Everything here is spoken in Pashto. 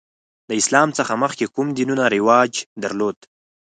د اسلام څخه مخکې کوم دینونه رواج درلود؟